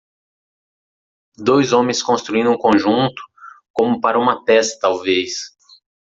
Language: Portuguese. Dois homens construindo um conjunto como para uma peça talvez.